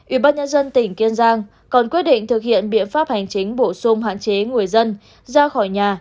ủy ban nhân dân tỉnh kiên giang còn quyết định thực hiện biện pháp hành chính bổ sung hạn chế người dân ra khỏi nhà